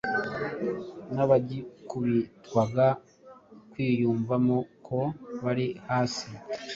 n'abagikubitwaga kwiyumvamo ko bari hasi.